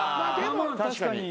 確かに。